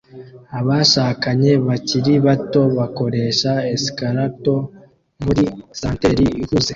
Abashakanye bakiri bato bakoresha escalator muri santeri ihuze